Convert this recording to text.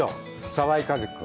澤井一希君。